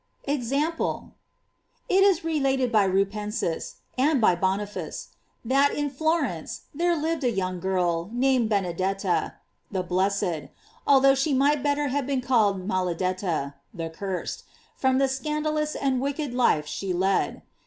EXAMPLE. It is related by Rupensis,f and by Boniface,J that in Florence there lived a young girl, named Benedetta (the blessed), although she might bet ter have been called Maladetta (the cursed), from the scandalous and wicked life she led.